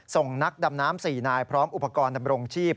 นักดำน้ำ๔นายพร้อมอุปกรณ์ดำรงชีพ